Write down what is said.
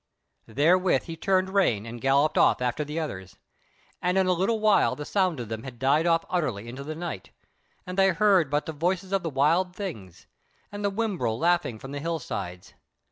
Therewith he turned rein and galloped off after the others, and in a little while the sound of them had died off utterly into the night, and they heard but the voices of the wild things, and the wimbrel laughing from the hill sides.